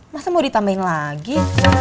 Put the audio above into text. masa mau ditambahin lagi